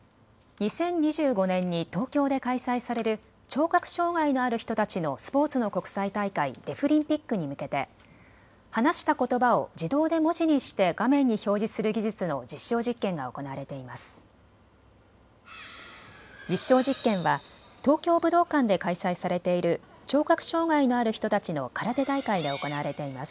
２０２５年に東京で開催される聴覚障害のある人たちのスポーツの国際大会、デフリンピックに向けて話したことばを自動で文字にして画面に表示する技術の実証実験が行われています。